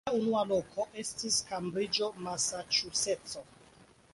Ĝia unua loko estis Kembriĝo, Masaĉuseco.